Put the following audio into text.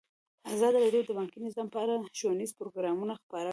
ازادي راډیو د بانکي نظام په اړه ښوونیز پروګرامونه خپاره کړي.